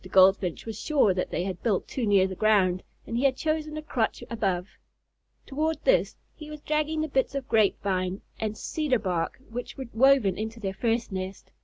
Goldfinch was sure that they had built too near the ground, and he had chosen a crotch above. Toward this he was dragging the bits of grape vine and cedar bark which were woven into their first nest.